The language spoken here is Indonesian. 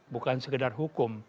bukan sekedar hukum